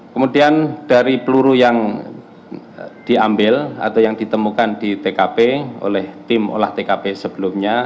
kemudian dari peluru yang diambil atau yang ditemukan di tkp oleh tim olah tkp sebelumnya